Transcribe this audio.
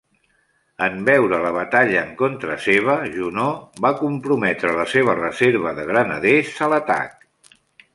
En veure la batalla en contra seva, Junot va comprometre la seva reserva de granaders a l'atac.